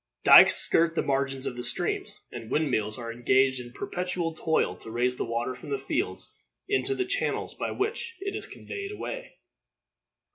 Dikes skirt the margins of the streams, and wind mills are engaged in perpetual toil to raise the water from the fields into the channels by which it is conveyed away.